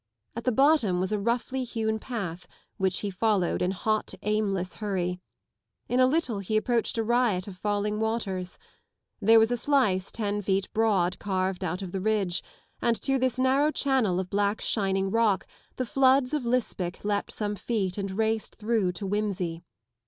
At the bottom was a roughly hewn path which he followed in hot aimless hurry. In a little he approached a riot of falling waters. There was a slice ten feet broad carved out of the ridge, and to this narrow channel of black shining rock the floods of Lisbech leapt some feet and raced through to Whimsey.